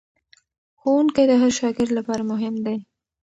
ښوونکی د هر شاګرد لپاره مهم دی.